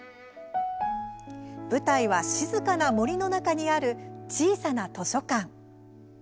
舞台は、静かな森の中にある小さな図書館。